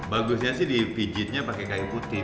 bagusnya sih dipijitnya pake kain putih